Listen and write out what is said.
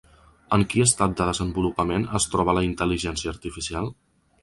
En qui estat de desenvolupament es troba la intel·ligència artificial?